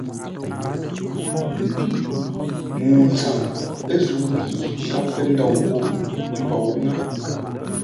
Ŋuu tsəm, ə́ zə̂u yi gháp pə́ ndôu ghô; ə́ mbǒu ŋə́.